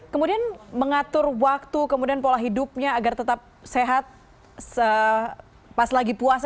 kemudian mengatur waktu kemudian pola hidupnya agar tetap sehat pas lagi puasa